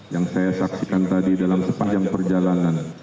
yang saya saksikan tadi dalam sepanjang perjalanan